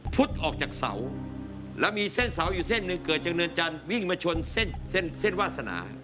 ออกจากเสาแล้วมีเส้นเสาอยู่เส้นหนึ่งเกิดจากเนินจันทร์วิ่งมาชนเส้นเส้นวาสนา